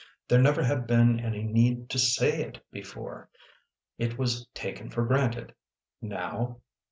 There never had been any need to say it before. It was taken for granted. Now?